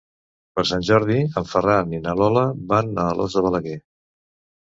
Per Sant Jordi en Ferran i na Lola van a Alòs de Balaguer.